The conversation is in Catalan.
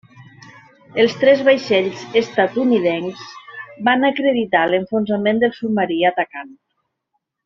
Els tres vaixells estatunidencs van acreditar l'enfonsament del submarí atacant.